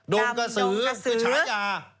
กระสือคือฉายา